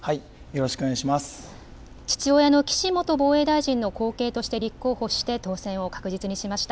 父親の岸元防衛大臣の後継として立候補して当選を確実にしました。